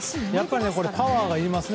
パワーがいりますね。